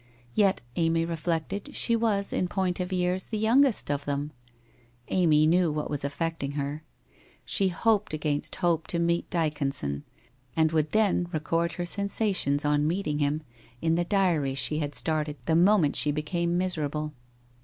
Yet, Amy reflected, she was, in point of years, the youngest of them ! Amy knew what was affect ing her. She hoped against hope to meet Dyconson, and would then record her sensations on meeting him, in the diary she had started the moment she became miserable.